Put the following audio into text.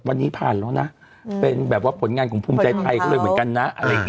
วันนี้ผ่านแล้วนะเป็นแบบว่าผลงานของภูมิใจใดก็เลยเหมือนกันนะ